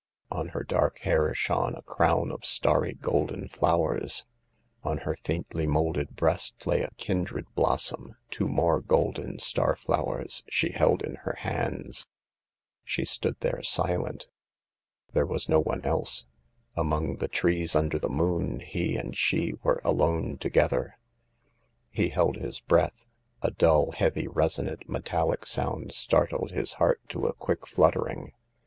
On her dark hair shone a crown of starry golden flowers. On her faintly moulded breast lay a kindred blossom ; two more golden star flowers she held in her hands. She stood there, silent. There was no one else. Among the trees under the moon he and she were alone together. He held his breath. A dull, heavy, resonant, metallic sound startled his heart to a quick fluttering.